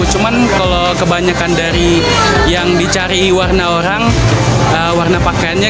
cuman kalau kebanyakan dari yang dicari warna orang warna pakaiannya